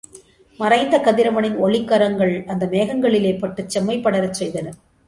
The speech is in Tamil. மறைந்த கதிரவனின் ஒளிக் கரங்கள் அந்த மேகங்களிலே பட்டுச் செம்மை படரச் செய்தன.